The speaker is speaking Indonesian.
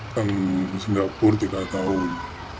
ke singapura tiga tahun